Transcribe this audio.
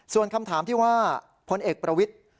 ส่วนคำถามที่ว่าพลเอกประวิทธิ์